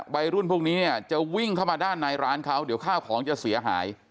วัยรุ่นพวกนี้เนี่ยจะวิ่งเข้ามาด้านในร้านเขาเดี๋ยวข้าวของจะเสียหาย